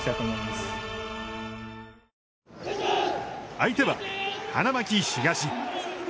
相手は花巻東。